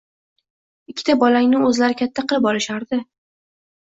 Ikkita bolangni oʻzlari katta qilib olishardi